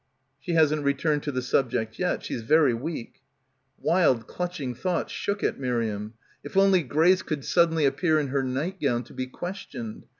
"She hasn't returned to the subject again. She's very weak." Wild clutching thoughts shook at Miriam. If only Grace could suddenly appear in her night gown, to be questioned.